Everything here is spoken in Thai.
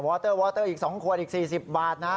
อเตอร์วอเตอร์อีก๒ขวดอีก๔๐บาทนะ